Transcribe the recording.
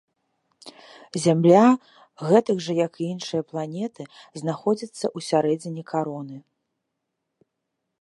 Зямля, гэтак жа як і іншыя планеты, знаходзяцца ўсярэдзіне кароны.